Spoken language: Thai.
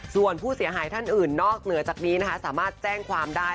ส่วนผู้เสียหายท่านอื่นนอกเหนือจากนี้นะคะสามารถแจ้งความได้